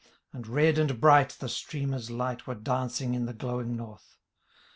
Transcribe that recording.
49 And red and bright the streamers light Were dancing in the glowing north.